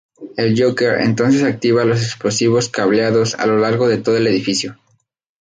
El Joker entonces activa los explosivos cableados a lo largo de todo el edificio.